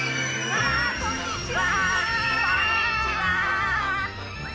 わあこんにちは！